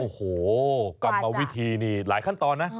โอ้โหกรรมวิธีนี่หลายขั้นตอนนะ